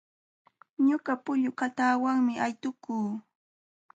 Ñuqa pullu kataawanmi aytukuu.